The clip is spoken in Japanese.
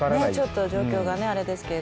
ちょっと状況があれですけど。